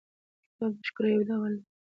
کتاب د ښکلا یو ډول دی.